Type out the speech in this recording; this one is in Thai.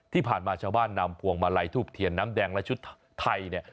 ที่ผ่านมาชาวบ้านนำพวงมาลัยทูบเทียนน้ำแดงและชุดไทยเนี่ย